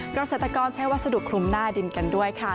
เกษตรกรใช้วัสดุคลุมหน้าดินกันด้วยค่ะ